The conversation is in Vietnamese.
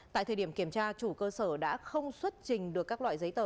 tại thời điểm kiểm tra chủ cơ sở đã không xuất trình được các loại giấy tờ